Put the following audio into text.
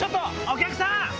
お客さん！